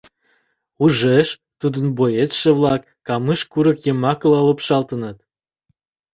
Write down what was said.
Ужеш, тудын боецше-влак Камыш курык йымакыла лупшалтыныт.